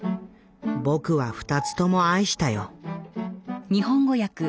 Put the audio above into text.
僕は２つとも愛したよ」。